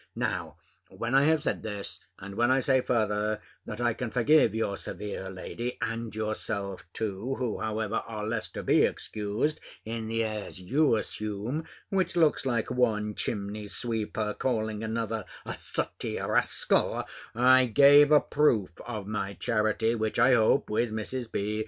Now, when I have said this, and when I say, further, that I can forgive your severe lady, and yourself too, (who, however, are less to be excused in the airs you assume, which looks like one chimney sweeper calling another a sooty rascal) I gave a proof of my charity, which I hope with Mrs. B.